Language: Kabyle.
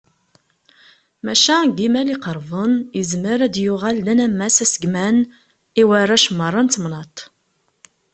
Maca, deg yimal iqerben, yezmer ad d-yuɣal d anammas asegman i warrac merra n temnaḍt.